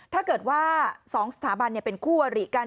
ถ้าเกิดว่า๒สถาบันเป็นคู่อริกัน